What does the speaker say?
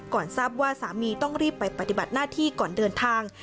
ทราบว่าสามีต้องรีบไปปฏิบัติหน้าที่ก่อนเดินทาง